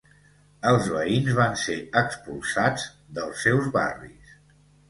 Els veïns van ser expulsats dels seus barris.